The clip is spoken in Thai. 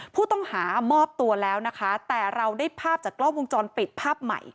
ผู้ต้องหามอบตัวแล้วนะคะแต่เราได้ภาพจากกล้องวงจรปิดภาพใหม่